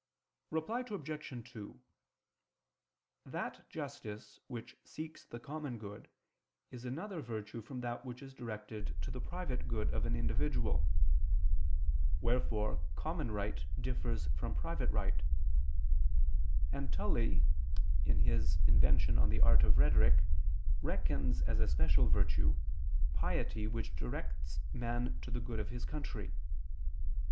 Reply Obj. 2: That justice which seeks the common good is another virtue from that which is directed to the private good of an individual: wherefore common right differs from private right; and Tully (De Inv. ii) reckons as a special virtue, piety which directs man to the good of his country.